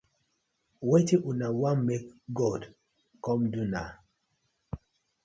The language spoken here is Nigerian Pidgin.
Wetin una wan mek God com do naw?